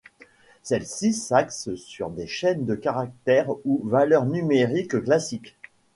Celles-ci s’axent sur des chaînes de caractères ou valeurs numériques classiques.